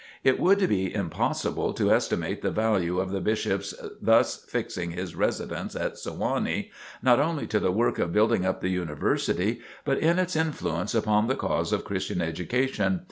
It would be impossible to estimate the value of the Bishop's thus fixing his residence at Sewanee, not only to the work of building up the University, but in its influence upon the cause of Christian education.